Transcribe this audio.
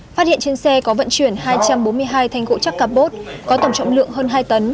phát hiện trên xe có vận chuyển hai trăm bốn mươi hai thanh gỗ chắc capot có tổng trọng lượng hơn hai tấn